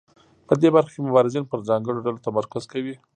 په دې برخه کې مبارزین پر ځانګړو ډلو تمرکز کوي.